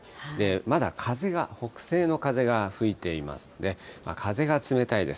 まだ風が、北西の風が吹いていますので、風が冷たいです。